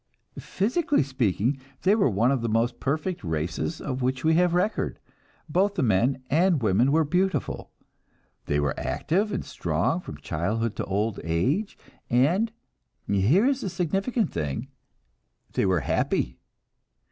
Physically speaking, they were one of the most perfect races of which we have record. Both the men and women were beautiful; they were active and strong from childhood to old age, and here is the significant thing they were happy.